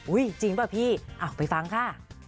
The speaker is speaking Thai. อุ้ยจริงป่ะพี่เอาไปฟังค่ะ